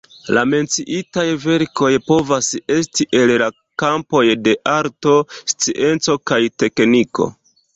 La menciitaj verkoj povas esti el la kampoj de arto, scienco kaj tekniko.